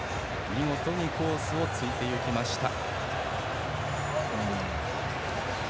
見事にコースを突いていきました。